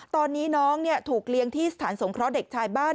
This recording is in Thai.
ตอนนี้น้องถูกเลี้ยงที่สถานสงเคราะห์เด็กชายบ้าน